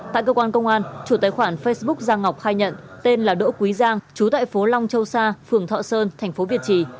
tại cơ quan công an chủ tài khoản facebook giang ngọc khai nhận tên là đỗ quý giang chú tại phố long châu sa phường thọ sơn thành phố việt trì